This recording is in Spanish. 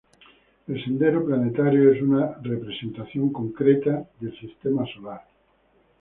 El sendero planetario es una representación concreta del sistema solar.